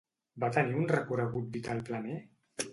Va tenir un recorregut vital planer?